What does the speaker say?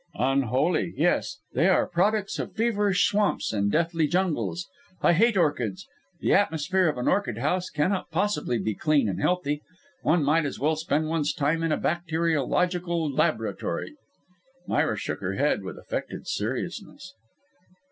"Unholy, yes! they are products of feverish swamps and deathly jungles. I hate orchids. The atmosphere of an orchid house cannot possibly be clean and healthy. One might as well spend one's time in a bacteriological laboratory!" Myra shook her head with affected seriousness.